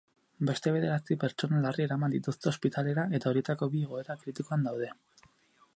Beste bederatzi pertsona larri eraman dituzte ospitalera eta horietako bi egoera kritikoan daude.